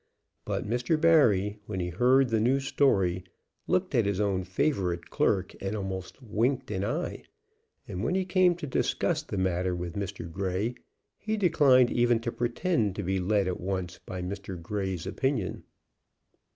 But Mr. Barry, when he heard the new story, looked at his own favorite clerk and almost winked an eye; and when he came to discuss the matter with Mr. Grey, he declined even to pretend to be led at once by Mr. Grey's opinion.